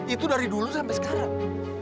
itu dari dulu sampai sekarang